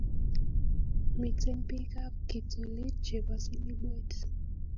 Miten pik ab kiptulit che po Silibwet